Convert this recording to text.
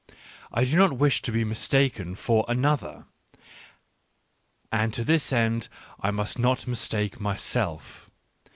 I do not wish to be mistaken for another — and to this end I must not mistake myself.